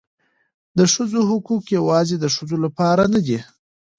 د ښځو حقوق یوازې د ښځو لپاره نه دي.